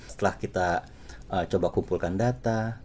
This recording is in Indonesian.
setelah kita coba kumpulkan data